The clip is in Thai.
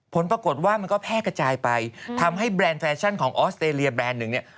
ผลปรากฏว่ามันก็แพร่กระจายไปทำให้แบรนด์แฟชั่นของออสเตรเลียแบรนด์หนึ่งเนี่ย